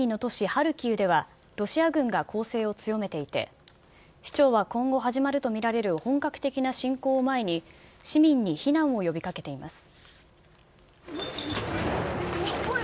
ハルキウでは、ロシア軍が攻勢を強めていて、市長は今後、始まると見られる本格的な侵攻を前に、市民に避難を呼びかけています。